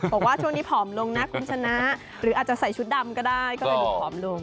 บอกว่าช่วงนี้ผอมลงนะคุณชนะหรืออาจจะใส่ชุดดำก็ได้ก็เลยดูผอมลง